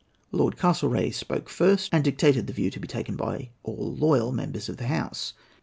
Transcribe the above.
Lord Castlereagh spoke first, and dictated the view to be taken by all loyal members of the House.